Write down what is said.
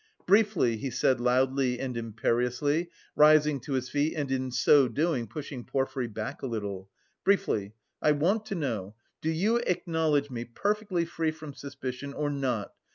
"Briefly," he said loudly and imperiously, rising to his feet and in so doing pushing Porfiry back a little, "briefly, I want to know, do you acknowledge me perfectly free from suspicion or not?